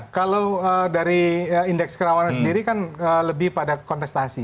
kalau dari indeks kerawanan sendiri kan lebih pada kontestasi